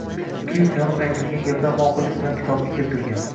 kuyib-yonib aytilgan gaplar mohirlik bilan kitobga kiritilgan.